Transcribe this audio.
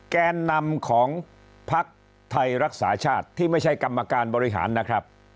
แกนนำของพักไทยรักษาชาติที่ไม่ใช่กรรมการบริหารนะครับ